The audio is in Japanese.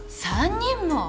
３人も！